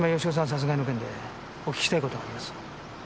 殺害の件でお聞きしたい事があります。